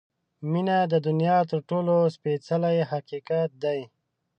• مینه د دنیا تر ټولو سپېڅلی حقیقت دی.